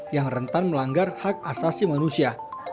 yang rentan melanggar hak asasi manusia